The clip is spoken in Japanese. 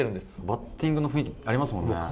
バッティングの雰囲気ありませんもんね。